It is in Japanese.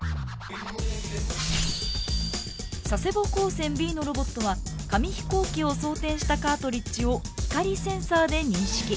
佐世保高専Ｂのロボットは紙飛行機を装填したカートリッジを光センサーで認識。